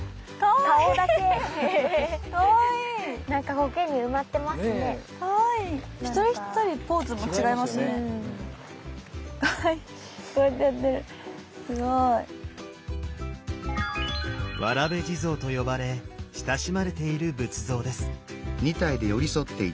わらべ地蔵と呼ばれ親しまれている仏像です。